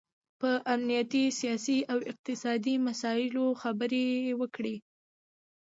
په امنیتي، سیاسي او اقتصادي مسایلو خبرې وکړي